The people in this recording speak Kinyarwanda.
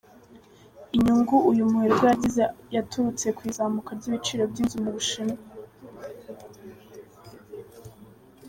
Inyungu uyu muherwe yagize yaturutse ku izamuka by’ibiciro by’inzu mu Bushinwa.